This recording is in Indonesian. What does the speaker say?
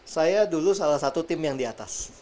saya dulu salah satu tim yang diatas